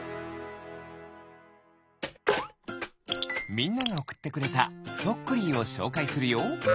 みんながおくってくれたそっクリーをしょうかいするよ。